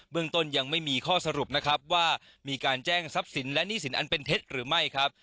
เรื่องต้นยังไม่มีข้อสรุปนะครับว่ามีการแจ้งทรัพย์สินและหนี้สินอันเป็นเท็จหรือไม่ครับ